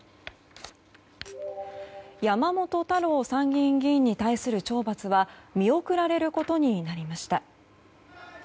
山本太郎参議院議員に対する懲罰は見送られることになりました。